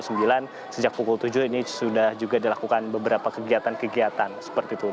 sejak pukul tujuh ini sudah juga dilakukan beberapa kegiatan kegiatan seperti itu